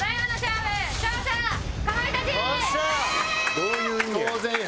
どういう意味や？